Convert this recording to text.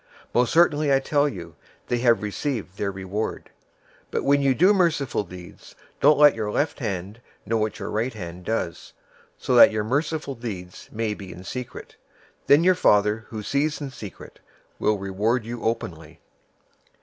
Most certainly I tell you, they have received their reward. 006:003 But when you do merciful deeds, don't let your left hand know what your right hand does, 006:004 so that your merciful deeds may be in secret, then your Father who sees in secret will reward you openly.